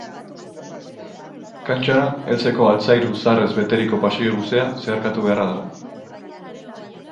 Kantxara heltzeko altzairu zaharrez beteriko pasillo luzea zeharkatu beharra dago.